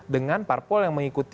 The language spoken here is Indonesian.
dengan parpol yang mengikuti